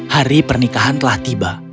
hari pernikahan telah tiba